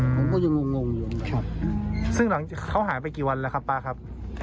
อืมผมก็จะงงงงงงครับซึ่งหลังเขาหายไปกี่วันแล้วครับป้าครับ